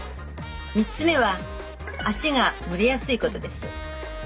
３つ目は足が蒸れやすいことです。